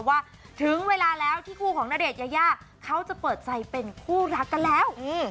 ว่าถึงเวลาแล้วที่คู่ของณเดชนยายาเขาจะเปิดใจเป็นคู่รักกันแล้ว